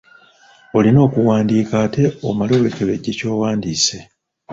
Olina okuwandiika ate omale weekebejje ky'owandiise.